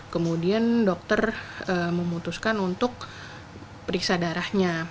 kemudian dokter memutuskan untuk periksa darahnya